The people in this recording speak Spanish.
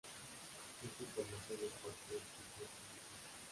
Esta información es parte del tipo en sí mismo.